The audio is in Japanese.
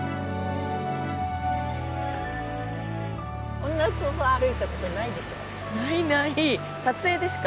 こんなとこ歩いたことないでしょう？